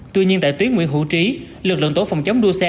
tuy nhiên tại tuyến nguyễn hữu trí lực lượng tổ phòng chống đua xe